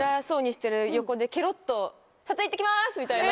みたいな。